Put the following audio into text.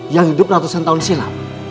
yang hidup ratusan tahun silam